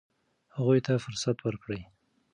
هغوی ته فرصت ورکړئ.